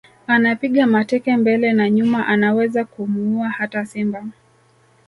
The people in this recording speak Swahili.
Anapiga mateke mbele na nyuma anaweza kumuua hata Simba